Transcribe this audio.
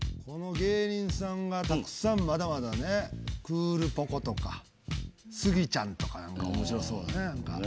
この芸人さんがたくさんまだまだねクールポコ。とかスギちゃんとか。